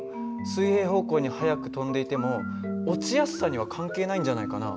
水平方向に速く飛んでいても落ちやすさには関係ないんじゃないかな。